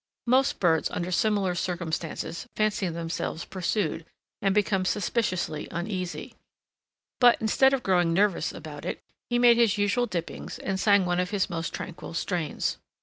Most birds under similar circumstances fancy themselves pursued, and become suspiciously uneasy; but, instead of growing nervous about it, he made his usual dippings, and sang one of his most tranquil strains.